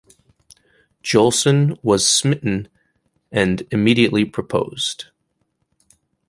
Jolson was smitten and immediately proposed.